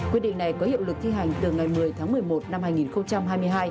quyết định này có hiệu lực thi hành từ ngày một mươi tháng một mươi một năm hai nghìn hai mươi hai